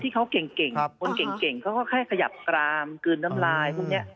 เขงเขาก็แค่ขยับกรามกืนน้ำลายพวกนี้